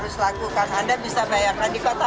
stealkan uang dari wilayah hospital